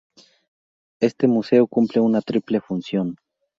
Este museo cumple una triple función.